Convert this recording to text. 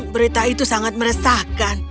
berita itu sangat meresahkan